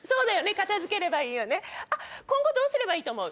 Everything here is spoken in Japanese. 片付ければいいよね今度どうすればいいと思う？